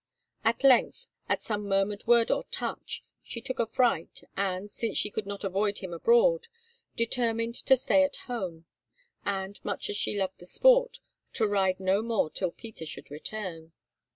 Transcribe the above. At length, at some murmured word or touch, she took affright, and, since she could not avoid him abroad, determined to stay at home, and, much as she loved the sport, to ride no more till Peter should return.